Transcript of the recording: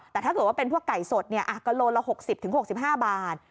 แต่ถ้าเกิดว่าเป็นพวกไก่สดก็โลละ๖๐๖๕บาท